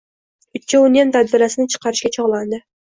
Uchoviniyam dabdalasini chiqarishga chog‘landi.